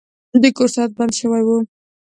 د کور ساعت بند شوی و.